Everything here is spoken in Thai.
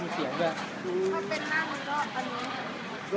บนแหลวดี